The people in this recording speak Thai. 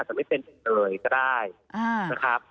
จริงค่ะ